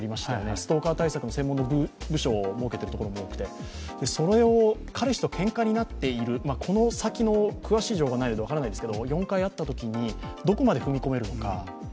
ストーカー対策の専門の部署を設けているところも多くて、それを彼氏とけんかになっている、この先の詳しい情報がないので分からないですけど、４回あったときに、どこまで踏み込めるのか。